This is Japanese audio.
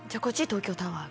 東京タワー